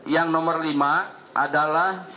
yang nomor lima adalah